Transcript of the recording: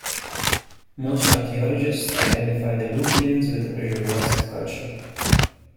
Most archaeologists identify the Lugians with the Przeworsk culture.